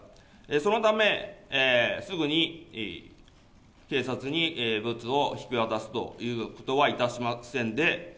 そのため、すぐに警察にぶつを引き渡すということはいたしませんで。